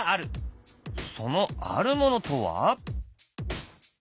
そのあるものとは？